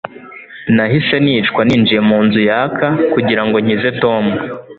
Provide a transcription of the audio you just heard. Nahise nicwa ninjiye munzu yaka kugirango nkize Tom